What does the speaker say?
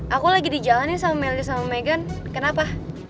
aku lagi dijalani sama meli sama megan kenapa